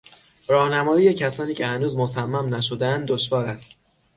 راهنمایی کسانی که هنوز مصمم نشدهاند دشوار است.